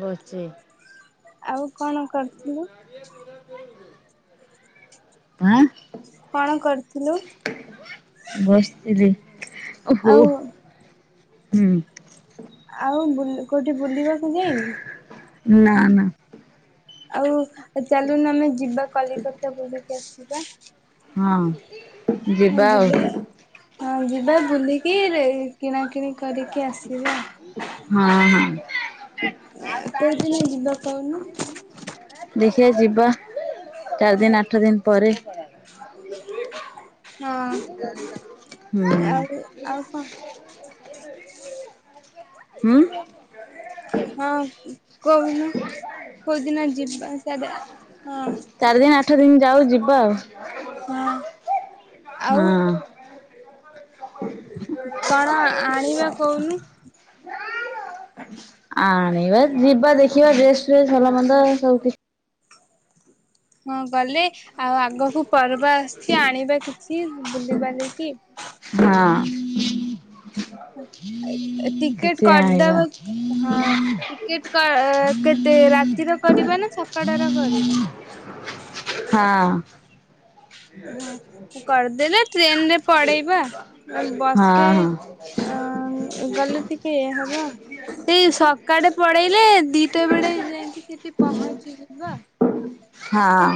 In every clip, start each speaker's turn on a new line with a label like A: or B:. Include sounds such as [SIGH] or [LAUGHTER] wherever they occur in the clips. A: ବସିଛି।
B: ଆଉ କଣ କରିଥିଲୁ?
A: ଆଁ
B: କଣ କରିଥିଲୁ?
A: ବସିଥିଲି ଓ
B: ଆଉ
A: ହୁଁ।
B: ଆଉ ବୁଲି କୋଉଠି ବୁଲିବାକୁ ଯାଇନି।
A: ନା ନା।
B: ଆଉ ଚାଲୁନ ଆମେ ଯିବା କଲିକତା ବୁଲିକି ଆସିବା।
A: ହଁ।
B: ହଁ ଯିବା ହଁ ଯିବା ବୁଲିକି କିଣାକିଣି କରିକି ଆସିବା।
A: ହଁ ହଁ
B: କୋଉଦିନ
A: ଆଉ
B: ଯିବା କହୁନୁ
A: ତ ଦେଖିବା ଯିବା ଚାରି ଦିନ ଆଠ ଦିନ ପରେ।
B: ହଁ
A: ହୁଁ
B: ଆଉ ଆଉ କଣ?
A: ହୁଁ।
B: ହଁ କହୁନ କୋଉଦିନ ଯିବା ସେ ହଁ
A: ଚାରି ଦିନ ଆଠ ଦିନ ଯାଉ ଯିବା ଆଉ
B: ହଁ ଆଉ
A: ହଁ।
B: କଣ ଆଣିବା କହୁନୁ?
A: ଆଣିବା ଯିବା ଦେଖିବା ଡ୍ରେସ୍ ଟେସ୍ ଭଲ ମନ୍ଦ ସବୁ କିଛି
B: ହଁ ଗଲେ ଆଉ ଆଗକୁ ପର୍ବ ଆସୁଛି ଆଣିବା କିଛି ବୁଲି ପାରିଲେ କି
A: ହଁ।
B: ଟିକେଟ
A: କିଛି ଆଣିବା
B: କରିଦବା ହଁ। [UNINTELLIGIBLE] କେତେ ରାତିର କରିବା ନା ସକାଳ ର କରିବା?
A: ହଁ।
B: [INAUDIBLE] ହଁ କରିଦେଲେ ଟ୍ରେନ ରେ ପଡେଇବା।
A: ହଁ
B: ବସରେ
A: ହଁ
B: ଆ ଗଲେ ଟିକେ ଏ ହବ, ସେଇ ସକାଳେ ପଳେଇଲେ ଦିଟା ବେଳେ ଯାଇକି ସେଠି ପହଞ୍ଚିଯିବ।
A: ହଁ,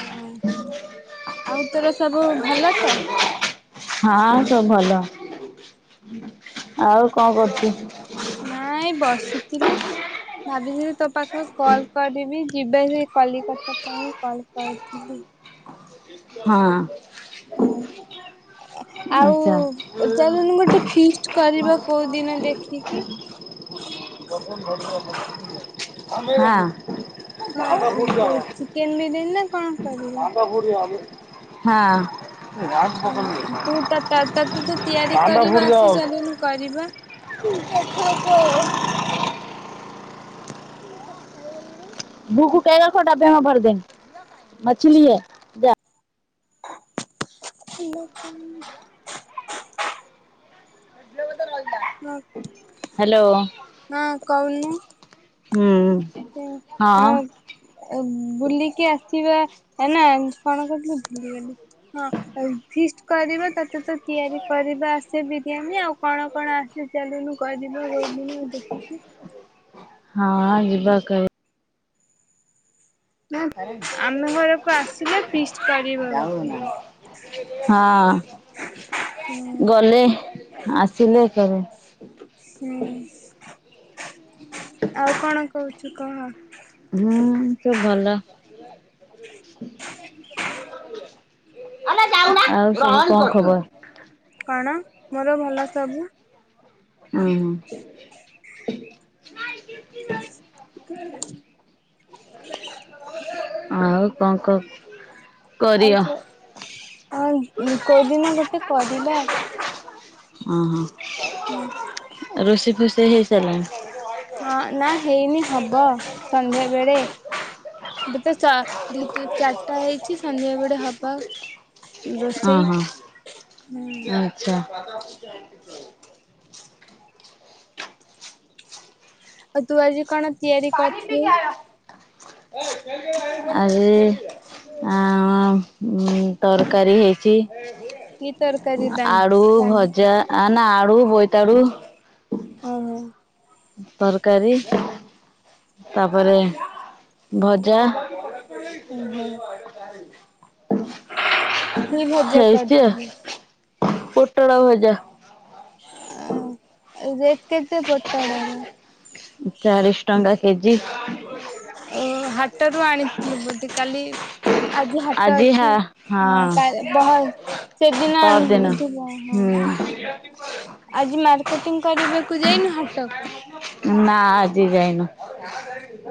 B: ହଁ ଆଉ ତୋର ସବୁ ଭଲ ତ?
A: ହଁ ସବୁ ଭଲ। ଆଉ କଣ କରୁଚୁ?
B: ନଁ ଏଇ ବସିଥିଲି ଭାବିିଥିଲି ତୋ ପାଖକୁ କଲ କରିବି ଯିବେ ସେ କଲିକତା ପାଇଁ କଲ୍ କରିଥିଲି।
A: ହଁ,
B: ହୁଁ। ଆଉ
A: ଆଚ୍ଛା।
B: ଚାଲୁନୁ ଗୋଟେ ଫିଷ୍ଟ କରିବା କୋଉ ଦିନ ଦେଖିକି?
A: [UNINTELLIGIBLE] ହଁ,
B: ହଁ ଚିକେନ ବିରିୟାନୀ ନା କଣ କରିବା?
A: [UNINTELLIGIBLE] ହଁ,
B: ହଁ ତୁ ତ
A: କୁ
B: ତତେ ତ ତିଆରି କରିବା ଆସେ
A: [UNINTELLIGIBLE]
B: ଚାଲୁନୁ କରିବା।
A: ଛା [UNINTELLIGIBLE] [UNINTELLIGIBLE] ମଛଲି ହେ,
B: ହ୍ୟାଲୋ [UNINTELLIGIBLE]
A: ଇଏ ଗୋଟେ ମଇଦା।
B: ହଁ। ହଁ, କହୁନୁ?
A: ହୁଁ।
B: ହଁ। ବୁଲିକି ଆସିବା ନା କଣ କହୁଥିଲୁ ଭୁଲିଗଲି। ହଁ, ଆଉ ଫିଷ୍ଟ କରିବା ତତେ ତ ତିଆରି କରିବା ଆସେ ବିରିୟାନୀ। ଆଉ କଣ କଣ ଆସ ଯେ ଚାଲୁନୁ କରିବା କୋଉ ଦିନ ଦେଖିକି?
A: ହଁ ଯିବା କେବେ?
B: ନା
A: ଆରେ
B: ଆମ ଘରକୁ ଆସିଲେ ଫିଷ୍ଟ
A: [UNINTELLIGIBLE]
B: କରିବା ଗୋଟେ।
A: ଯାଉନା। ହଁ
B: ହୁଁ।
A: ଗଲେ ଆସିଲେ ସବୁ।
B: ହୁଁ ଆଉ କଣ କହୁଛୁ କହ?
A: ହୁଁ ସବୁ ଭଲ। ଆଉ ସବୁ କଣ ଖବର?
B: କଣ ମୋର ଭଲ ସବୁ।
A: ହୁଁ ଆଉ କଣ କହ?
B: ଆଉ କୋଉଦିନ ଗୋଟେ କରିବା।
A: ଓହୋ ରୋଷେଇ ଫୋଷେଇ ହେଇ ସାରିଲାଣି?
B: ହଁ ନା ହେଇନି ହବ ସନ୍ଧ୍ୟାବେଳେ। ଏବେ ତ ଚା ଦି ଚାରିଟା ହେଇଛି ସନ୍ଧ୍ୟା ବେଳେ ହବ। ରୋଷେଇ
A: ଓହୋ
B: ହୁଁ।
A: ଆଚ୍ଛା।
B: ଆଉ ତୁ ଆଜି କଣ ତିଆରି
A: ପାଣି
B: କରିଥିଲୁ
A: ଟିକେ ଆଣ। ଆଜି ଆ ଅଁ ଉଁ ତର୍କାରୀ ହେଇଛି।
B: କି ତରକାରୀ
A: ଆଡୁ,
B: ରାନ୍ଧି
A: ଭଜା
B: ରାନ୍ଧିଥିଲୁ?
A: ଆ ନା ଆଡୁ ବୋଇତାଡୁ।
B: ହଁ ହଁ।
A: ତର୍କାରୀ ତାପରେ ଭଜା।
B: ଓହୋ।
A: [INAUDIBLE]
B: କି ଭଜା
A: ହେଇଚି
B: କରିଥିଲୁ?
A: ଆଉ ପୋଟଳ ଭଜା।
B: ଅଁ ଏଁ ଯେତିକି ପୋଟଳକୁ।
A: ଚାଳିଶ୍ ଟଙ୍କା କେଜି।
B: ଓ- ହାଟରୁ ଆଣି ଥିଲେ ବୋଧେ କାଲି ଆଜି ହାଟ ଅଛି। ହଁ କା ବହେ ସେଦିନ ଆଣି
A: ପରଦିନ
B: ବୁଧୁବ ହଁ।
A: ହୁଁ
B: ଆଜି ମାର୍କେଟିଂ କରିବାକୁ ଯାଇ ନ ହାଟକୁ?
A: ନା ଆଜି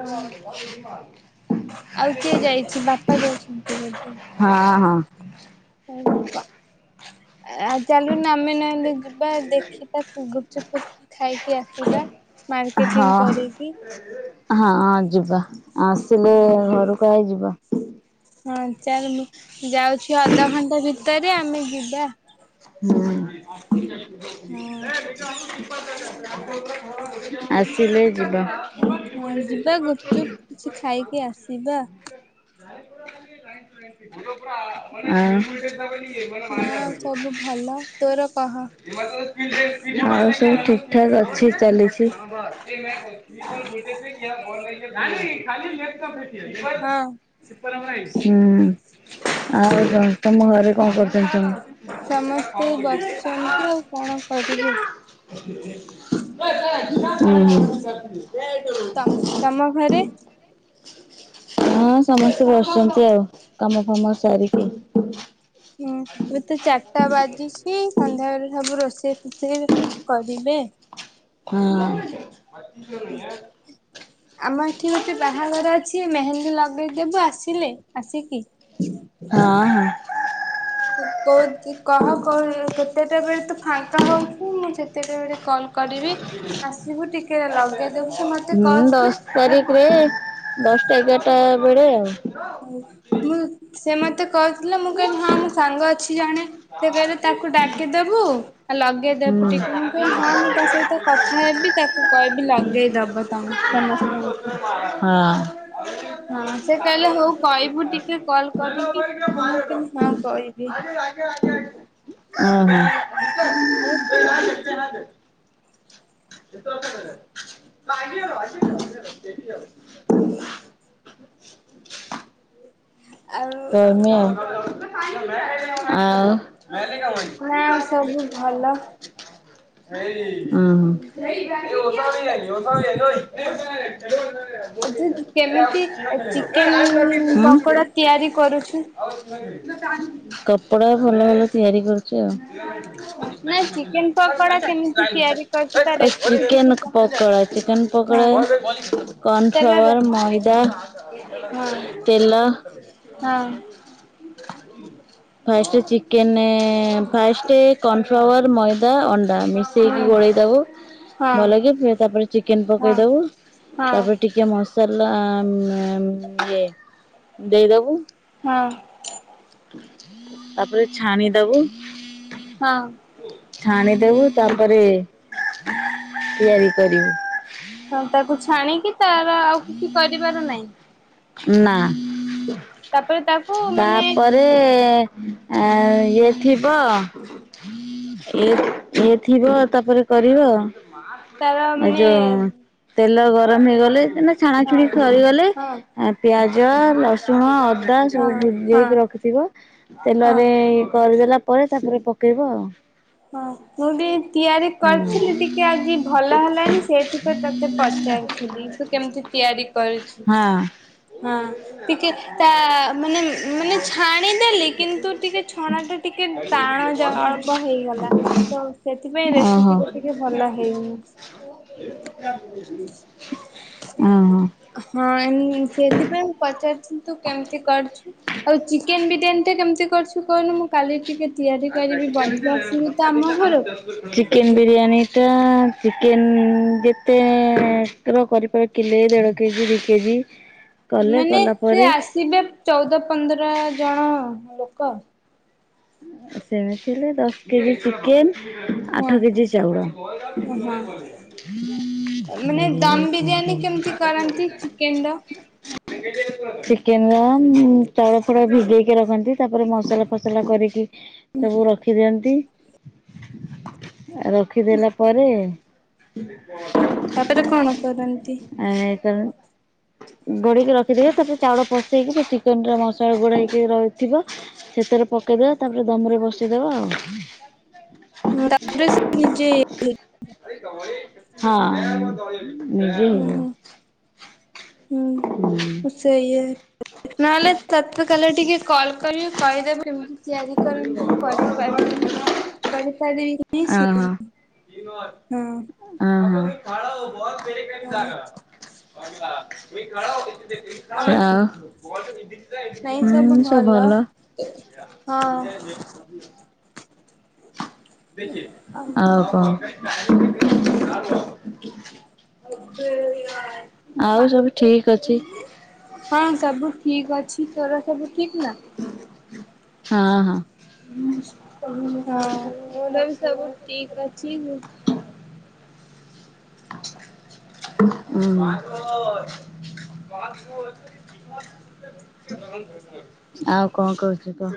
B: ହଁ ଆଉ କିଏ ଯାଇଛି ବାପା ଯାଇଛନ୍ତି
A: [INAUDIBLE] ହଁ ହଁ।
B: ହୋଉ କ। ଆ ଚାଲୁନୁ ଆମେ ନହେଲେ ଯିବା ଦେଖିବା ଗୁପ୍ ଚୁପ୍, ଫୁପ୍ ଚୁପ୍ ଖାଇକି ଆସିବା।
A: ହଁ
B: ମା୍କେଟିଙ୍ଗ କରି କି।
A: ହଁ ଯିବା ଆସିଲେ ଘରକୁ ଆଇ ଯିବା।
B: ହଁ ଚାଲୁନୁ ଯାଉଛି ଅଧଘଣ୍ଟେ ଭିତରେ ଆମେ ଯିବା।
A: ହୁଁ।
B: ହଁ
A: ଆସିଲେ ଯିବା।
B: ଉଁ ହଁ ଯିବା ଗୁପ୍ ଚୁପ୍ କିଛି ଖାଇକି ଆସିବା।
A: ଗାଡି ଘୋଡା ଅଜି କିଛି ନାହିଁ ତ। ଫୁଲ ପୁରା। ଆଉ।
B: ନା ଆଉ କବୁ ଭଲ। ତୋର କହ?
A: ଆଉ ସବୁ ଠିକ୍ ଠାକ୍ ଅଛି ଚାଲିଛି। କାଲି କାଲି [INAUDIBLE]
B: ହଁ।
A: ହୁଁ ଆଉ କଁ ତମ ଘରେ କଁ କରୁଛନ୍ତି ତମ
B: ସମସ୍ତେ ଏଇ ବସିଛନ୍ତି ଆଉ କଣ କରିବେ।
A: [INAUDIBLE] ଉଁ
B: ତମ ତମ ଘରେ?
A: ହୁଁ। ହଁ ସମସ୍ତେ ବସିଛନ୍ତି ଆଉ କାମ ଫାମ ସାରିକି।
B: ହୁଁ ଏବେ ତ ଚାର୍ଟା ବାଜିଛି ସନ୍ଧ୍ୟାବେଳେ ସବୁ ରୋଷେଇ ଫୋଷେଇ କରିବେ।
A: ହଁ।
B: ଆମ ଏଠି ଗୋଟେ ବାହାଘର ଅଛି ମେହେନ୍ଦୀ ଲଗେଇଦେବୁ ଆସିଲେ ଆସିକି।
A: ହଁ ହଁ।
B: କି କୋ କି କହ କ କେତେଟା ବେଳେ ତୁ ଫାଙ୍କା ହୋଉଛୁ ମୁଁ ସେତେଟା ବେଳେ କଲ୍ କରିବି ଆସିବୁ ଟିକେ। ଲଗେଇଦବୁ ସେ ମତେ
A: ହୁଁ
B: କହୁଥିଲେ
A: ଦଶ୍
B: ମୁଁ
A: ତାରିଖ୍ ରେ ଦଶ୍ଟା ଏଗାର୍ଟା ବେଳେ ଆଉ।
B: ହୋଉ ମୁଁ ସେ ମତେ କଇଥିଲା ମୁଁ କଇନି ହଁ ମୋ ସାଙ୍ଗ ଅ ଛି ଜଣେ ସେ କହିଲେ ତାକୁ ଡାକିଦବୁ ଆଉ ଲଗେଇଦବ
A: ହୁଁ
B: ଟିକେ ମୁଁ କଇନି ହଁ ହଁ ତା ସହିତ କଥା ହେବି ତାକୁ କହିବି ଲଗେଇଦବ ତମ ସମସ୍ତଙ୍କୁ।
A: ହଁ!
B: ହଁ
A: ଆଉ
B: ସେ କହିଲେ ହଉ
A: ବାର
B: କହିବୁ ଟିକେ କଲ୍
A: ଟଙ୍କ
B: କରିକି ମୁଁ
A: [INAUDIBLE]
B: କହିଲି ହଁ କହିବି।
A: ଓହୋ!
B: ହଉ।
A: ଆଜି ସେଠି ଯାଉ [UNINTELLIGIBLE]
B: ଆଉ
A: ତମେ ଆଉ ଆ ଲ କ
B: ନା
A: ଭ
B: ସବୁ
A: [UNINTELLIGIBLE]
B: ଭଲ
A: ଉଁ ହୁଁ ଉ ହାବରେ ହେଲି ଓ ସାବରେ ଆଲେ [UNINTELLIGIBLE]
B: ଆ ଯେ କେମିତି ଚିକେନ ପକୋଡ଼ା ତିଆରି କରୁଛୁ?
A: କପଡା ଭଲ ଭଲ ତିଆରି କରୁ କେ
B: ନାଇଁ ଚିକେନ ପକୋଡା କେମିତି ତିଆରି କରୁଛି ତା ରେସିପି ଟିକେ
A: [UNINTELLIGIBLE] ପକୋଡ଼ା
B: କହି
A: ଚିକେନ
B: ହଁ
A: ପକୋଡ଼ା
B: ତାର
A: କର୍ଣ୍ଣଫ୍ଲାୱାର ମଇଦା
B: ହଁ
A: ତେଲ।
B: ହଁ
A: ଫାଷ୍ଟ ଚିକେନ ଫାଷ୍ଟେ କର୍ଣ୍ନଫ୍ଲାୱାର ମଇଦା ଅଣ୍ଡା ମି ଦେଇକି
B: ହୁଁ
A: ଗୋଳେଇ ଦବୁ
B: ହଁ
A: ଭଲ କି ତାପରେ ଚିକେନ
B: ହଁ
A: ପକେଇ ଦବୁ
B: ହଁ
A: ତାପରେ ଟି ଟିକେ ମସଲା ଇଏ ଦେଇଦବୁ।
B: ହଁ।
A: ତାପରେ ଛାଣି ଦବୁ।
B: ହଁ
A: ଛାଣିଦବୁ ତାପରେ ତିଆରି କରିବୁ।
B: ହଁ ତାକୁ ଛାଣିକି ତାର ଆଉ କିଛି କରିବାର ନାହିଁ!
A: ନା
B: ତାପରେ ତାକୁ ମାନେ
A: ତାପରେ ରେ ଇଏ ଥିବ। ଇଏ ଥିବ ତାପରେ କରିବ।
B: ତାର
A: ଏ
B: ମାନେ
A: ଯୋଉ ତେଲ ଗରମ ହେଇଗଲେ
B: ହଁ
A: ଛାଣାଛୁଣି ସରିଗଲେ।
B: ହଁ
A: ଆଉ ପିଆଜ, ରସ ସୁଣ ଅଦା
B: ହଁ
A: ସବୁ
B: ହଁ
A: ଭିଜେଇକି ରଖିଥିବ
B: ହଁ
A: ତେଲରେ କରିଦେଲା ପ ପରେ ତାପରେ ପକେଇବ ଆଉ!
B: ହଁ ମୁ ବି ତିଆରି କରିଥିଲି ଟିକେ ଆଜି ଭଲ ହେଲାନି ସେଇଥିପାଇଁ ତୋତେ ପଚାରିଲି। ଥିଲି ତୁ କେମିତି ତିଆରି କରିଛୁ।
A: ହଁ।
B: ହଁ ଟିକେ ତା ମାନେ ମାନେ ଛାଣିଦେଲି କିନ୍ତୁ ଟିକେ ଛଣା ଟା ଟିକେ ଟାଣ ଜ ଅଳ୍ପ ହେଇଗଲା। ତ ସେଥିପାଇଁ
A: ଓହୋ
B: ରେସିପି ଟା ଟିକେ ଭଲ ହେଇନି।
A: ହହଁ।
B: ହଁ ଏଇ ସେଥିପାଇଁ ମୁଁ ପଚାରୁଥିଲି ତୁ କେମିତି କରୁଛୁ? ଆଉ ଚିକେନ୍‌ ବିରିୟାନୀ ଟା କେମିତି କରୁଛୁ କହୁନୁ ମୁଁ କାଲି ଟିକେ ତିଆରି କରିବି ବନ୍ଧୁ ଆସିବେ। ତ ଆମ ଘରକୁ
A: ଚିକେନ୍‌
B: ସେଇଥିପାଇଁ
A: ବିରିୟାନୀ ଏଟା ଚିକେନ୍ ଯେତେ କରିପାର କିଲେ ଦେଢ଼ କେଜି ଦିଇ କେଜି କଲେ
B: ମାନେ
A: କଲା
B: ସେ
A: ପରେ
B: ଆସିବେ ଚଉଦ ପନ୍ଦର ଜଣ ଲୋକ।
A: ସେମିଥି ହେଲେ ଦଶ କେଜି ଚିକେନ୍‌
B: ହଁ
A: ଆଠ କେଜି ଚାଉଳ। [UNINTELLIGIBLE] ଚିକେନ୍‌
B: ହଁ ମାନେ ଦମ ବିରିୟାନୀ କେମିତି କରନ୍ତି ଚିକେନ ର
A: ର ଚାଉଳ, ଫାଉଳ ଭିଜେଇକି ରଖନ୍ତି ତାପରେ ମସଲା, ଫସଲା କରିକି। ସବୁ ରଖି ଦିଅନ୍ତି। ରଖି ଦେଲା ପରେ।
B: ତାପରେ କଣ କରନ୍ତି।
A: ଆ ହେ ଥର। ଗୁଡ଼େଇକି ରଖିଦେବେ ତାପରେ ଚାଉଳ ପସେଇକି ସେ ଚିକେନ୍‌ ର ମସଲା ଗୁଡେଇକି ରହିଥିବ। ସେଥରେ ପକେଇଦବା ତାପରେ ଦମ୍‌ରେ ବସେଇଦବା ଆଉ।
B: ହୁଁ ତାପରେ ସେ ନିଜେ।
A: ହଁ। ନିଜେ
B: ଉଁ
A: ହେଇଯିବ
B: ହୁଁ ହୁଁ।
A: ହୁଁ।
B: ସେଇ ଇଏ ନହେଲେ ତତେ କାଲି ଟିକେ କଲ୍ କରିବି କହିଦବୁ। କେମିତି ତିଆରି କରନ୍ତି ମୁଁ କରିପାରିନି କରିପାରିବି। ନାହିଁ
A: ଅ ହ ଅ ହ।
B: ସେ ହଁ
A: [INAUDIBLE]
B: ହଁ
A: ଆଉ। ହୁଁ ସବୁ ଭଲ [INAUDIBLE]
B: ହଁ।
A: ଆଉ କଣ। [INAUDIBLE]
B: [INAUDIBLE]
A: ଆଉ ସବୁ ଠିକ ଅଛି
B: ହଁ ସବୁ। ଠିକ୍ ଅଛି ତୋର ସବୁ ଠିକ୍ ଥିଲା।
A: ହଁ ହଁ।
B: ହଁ ମୋର ବି ସବୁ ଠିକ୍ ଅଛି। [UNINTELLIGIBLE]
A: ଉଁ ହୁଁ। ଆଉ କଣ କହୁଚୁ କହ।